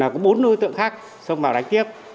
có bốn đối tượng khác xong vào đánh tiếp